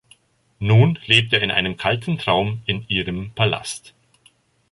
Nun lebt er in einem kalten Traum in ihrem Palast.